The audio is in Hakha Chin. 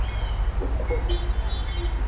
Tangka phar zakhat a ka ṭhenh.